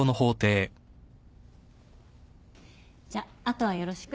じゃ後はよろしく。